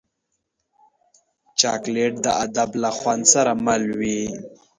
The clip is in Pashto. چاکلېټ د ادب له خوند سره مل وي.